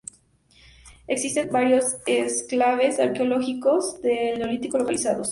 Existen varios enclaves arqueológicos del Neolítico localizados.